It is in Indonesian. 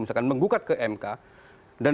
misalkan menggugat perusahaan